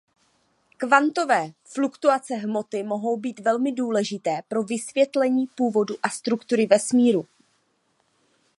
Kvantové fluktuace hmoty mohou být velmi důležité pro vysvětlení původu a struktury vesmíru.